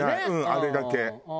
あれだけ。